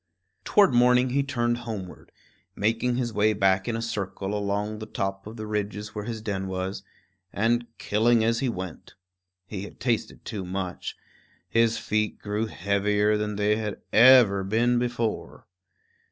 Toward morning he turned homeward, making his way back in a circle along the top of the ridge where his den was, and killing as he went. He had tasted too much; his feet grew heavier than they had ever been before.